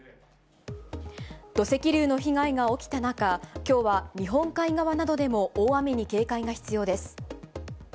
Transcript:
土石流の被害が起きた中、きょうは日本海側などでも、大雨に警戒が必要です。